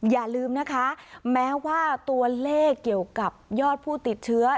อย่าลืมนะคะแม้ว่าตัวเลขเกี่ยวกับยอดผู้ติดเชื้อ